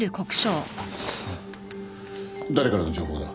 誰からの情報だ？